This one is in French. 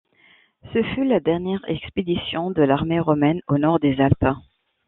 Ce fut la dernière expédition de l'armée romaine au nord des Alpes.